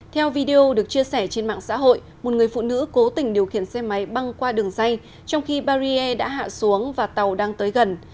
theo video được chia sẻ trên mạng xã hội một người phụ nữ cố tình điều khiển xe máy băng qua đường dây trong khi barrier đã hạ xuống và tàu đang tới gần